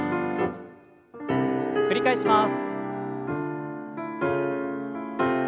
繰り返します。